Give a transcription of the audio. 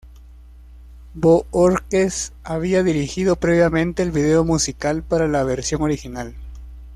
Bohórquez había dirigido previamente el video musical para la versión original.